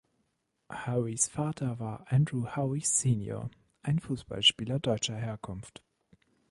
Howes Vater war "Andrew Howe senior", ein Fußballspieler deutscher Herkunft.